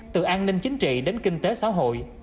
từ an ninh chính trị đến kinh tế xã hội